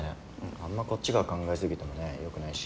あんまこっちが考え過ぎてもねよくないし。